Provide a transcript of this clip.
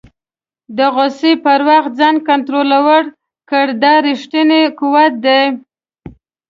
د غوسې پر وخت ځان کنټرول کړه، دا ریښتنی قوت دی.